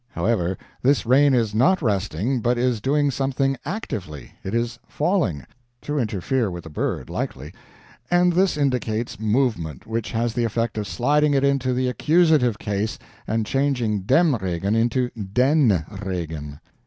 However, this rain is not resting, but is doing something ACTIVELY, it is falling to interfere with the bird, likely and this indicates MOVEMENT, which has the effect of sliding it into the Accusative case and changing DEM Regen into DEN Regen."